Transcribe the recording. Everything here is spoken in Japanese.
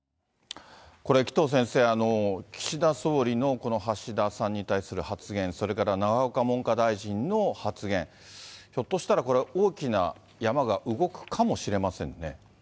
これ、紀藤先生、岸田総理のこの橋田さんに対する発言、それから永岡文科大臣の発言、ひょっとしたら、これ、大きな山が動くかもしれませんね。